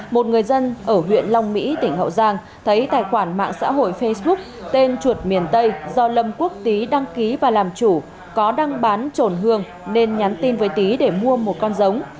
một người dân ở huyện long mỹ tỉnh hậu giang thấy tài khoản mạng xã hội facebook tên chuột miền tây do lâm quốc tý đăng ký và làm chủ có đăng bán trồn hương nên nhắn tin với tý để mua một con giống